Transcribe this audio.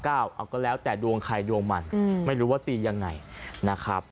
เอาก็แล้วแต่ดวงใครดวงมันไม่รู้ว่าตียังไงนะครับ